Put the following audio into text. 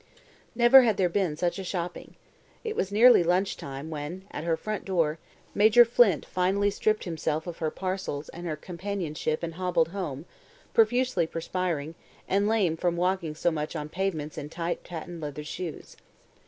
Never had there been such a shopping! It was nearly lunch time when, at her front door, Major Flint finally stripped himself of her parcels and her companionship and hobbled home, profusely perspiring, and lame from so much walking on pavements in tight patent leather shoes.